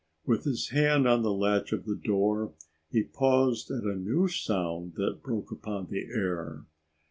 With his hand on the latch of the door he paused at a new sound that broke upon the air.